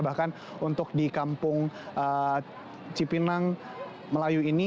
bahkan untuk di kampung cipinang melayu ini